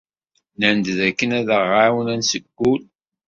Nnan-d dakken ad aɣ-ɛawnen seg wul.